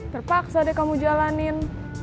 terpaksa deh kamu jalanin